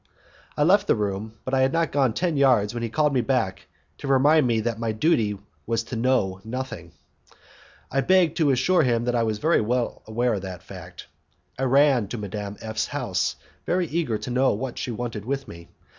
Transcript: I left the room, but I had not gone ten yards when he called me back to remind me that my duty was to know nothing; I begged to assure him that I was well aware of that. I ran to Madame F 's house, very eager to know what she wanted with me.